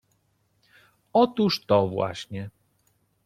— Otóż to właśnie.